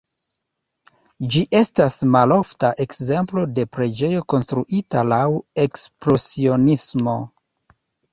Ĝi estas malofta ekzemplo de preĝejo konstruita laŭ ekspresionismo.